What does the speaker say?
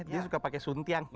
dia suka pakai suntiang gitu